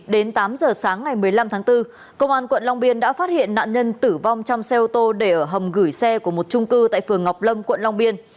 đến tám giờ sáng ngày một mươi năm tháng bốn công an quận long biên đã phát hiện nạn nhân tử vong trong xe ô tô để ở hầm gửi xe của một trung cư tại phường ngọc lâm quận long biên